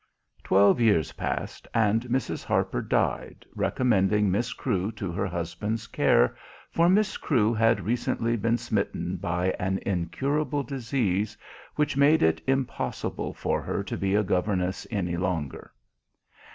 Twelve years passed and Mrs. Harper died, recommending Miss Crewe to her husband's care, for Miss Crewe had recently been smitten by an incurable disease which made it impossible for her to be a governess any longer.